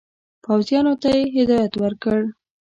پوځیانو ته یې هدایت ورکړ.